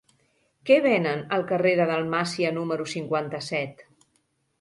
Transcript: Què venen al carrer de Dalmàcia número cinquanta-set?